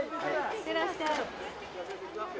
いってらっしゃい。